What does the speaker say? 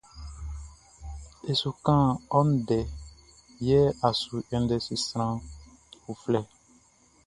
E su kan ɔ ndɛ yɛ a su index sran uflɛ.